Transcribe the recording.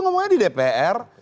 ngomongnya di dpr